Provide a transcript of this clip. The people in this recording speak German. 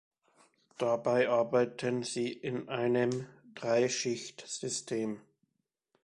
Dabei arbeiteten sie in einem Drei-Schicht-System.